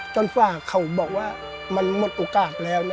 จนกว่าเขาบอกว่ามันหมดโอกาสแล้ว